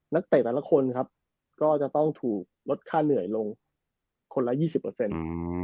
เตะแต่ละคนครับก็จะต้องถูกลดค่าเหนื่อยลงคนละยี่สิบเปอร์เซ็นต์